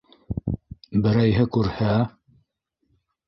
Берәйһе күрһә...